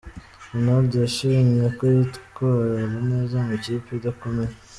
Ronaldo yashimwe ko yitwara neza mu ikipe idakomeye.